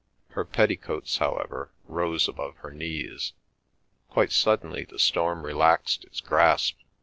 Her petticoats, however, rose above her knees. Quite suddenly the storm relaxed its grasp.